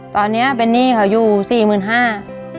ตอนนี้เป็นหนี้เขาอยู่๔๕๐๐๐บาท